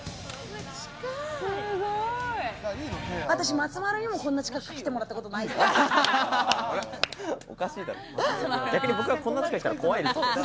私、松丸にもこんな近くに来てもらったことないのに。